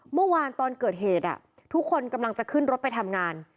เมื่อวานตอนเกิดเหตุทุกคนกำลังจะขึ้นรถไปทำงาน